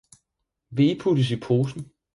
Vil I puttes i posen!